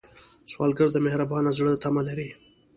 سوالګر د مهربان زړه تمه لري